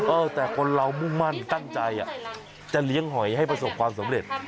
เออแต่คนเรามุ่งมั่นตั้งใจจะเลี้ยงหอยให้ประสบความสำเร็จ